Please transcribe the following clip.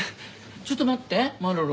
ちょっと待ってマロロ。